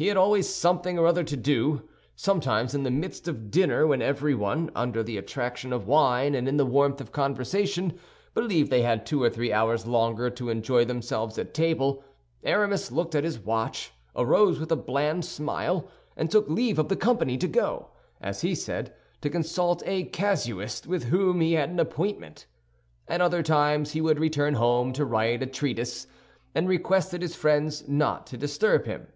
He had always something or other to do. Sometimes in the midst of dinner, when everyone, under the attraction of wine and in the warmth of conversation, believed they had two or three hours longer to enjoy themselves at table, Aramis looked at his watch, arose with a bland smile, and took leave of the company, to go, as he said, to consult a casuist with whom he had an appointment. At other times he would return home to write a treatise, and requested his friends not to disturb him.